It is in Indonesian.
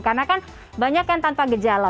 karena kan banyak yang tanpa gejala